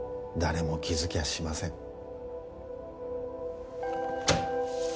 誰も気づきはしません